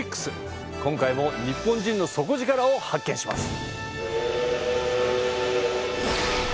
今回も日本人の底力を発見します！